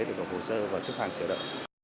để đồng hồ sơ và xếp hàng chế độ